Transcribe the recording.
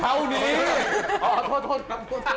เท่านี้โทษ